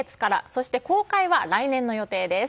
そして公開は来年の予定です。